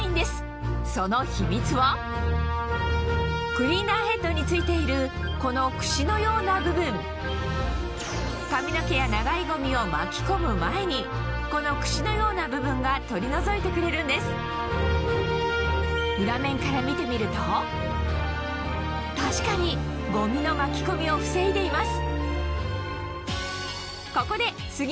クリーナーヘッドに付いているこのクシのような部分髪の毛や長いゴミを巻き込む前にこのクシのような部分が取り除いてくれるんです裏面から見てみると確かにゴミの巻き込みを防いでいます